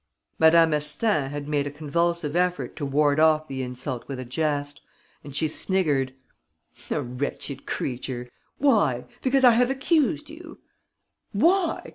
Madame Astaing had made a convulsive effort to ward off the insult with a jest; and she sniggered: "A wretched creature? Why? Because I have accused you?" "Why?